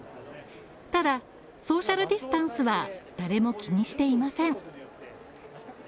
ただ、ソーシャルディスタンスは誰も気にしていません。